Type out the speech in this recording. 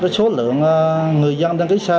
số lượng người dân đăng ký xe